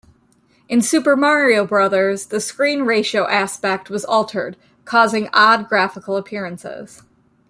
In "Super Mario Bros.", the screen ratio aspect was altered, causing odd graphical appearances.